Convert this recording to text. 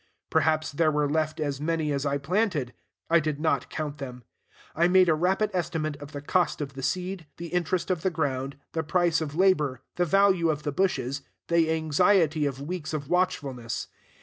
Perhaps there were left as many as I planted: I did not count them. I made a rapid estimate of the cost of the seed, the interest of the ground, the price of labor, the value of the bushes, the anxiety of weeks of watchfulness.